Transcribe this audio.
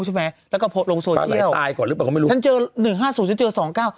นี้เฟกหรือเปล่า